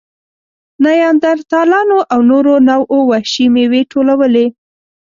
نیاندرتالانو او نورو نوعو وحشي مېوې ټولولې.